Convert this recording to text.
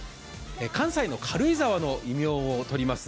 関西の軽井沢の異名をとります